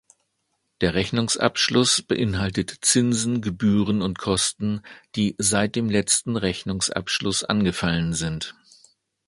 Der Rechnungsabschluss beinhaltet Zinsen, Gebühren und Kosten, die seit dem letzten Rechnungsabschluss angefallen sind.